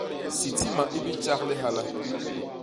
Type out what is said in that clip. Sitima i bitjak Lihala.